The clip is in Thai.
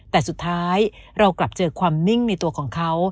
แต่สุดท้ายเรากลับเจอความนิ่งในตัวของเขา